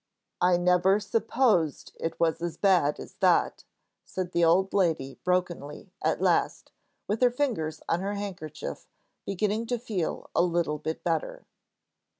"I never supposed it was as bad as that," said the old lady, brokenly; at last, with her fingers on her handkerchief, beginning to feel a little bit better.